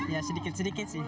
ya sedikit sedikit sih